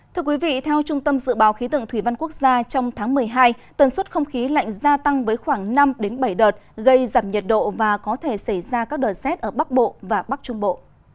thưa quý vị theo trung tâm dự báo khí tượng thủy văn quốc gia trong tháng một mươi hai tần suất không khí lạnh gia tăng với khoảng năm bảy đợt gây giảm nhiệt độ và có thể xảy ra các đợt rét ở bắc bộ và bắc trung bộ